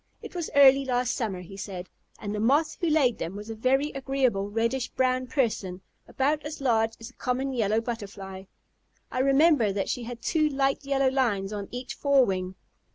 "It was early last summer," he said, "and the Moth who laid them was a very agreeable reddish brown person, about as large as a common Yellow Butterfly. I remember that she had two light yellow lines on each forewing.